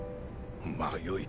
まあよい。